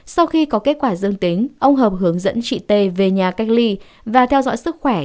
sau khi có kết quả dương tính ông hợp hướng dẫn chị t về nhà cách ly và theo dõi sức khỏe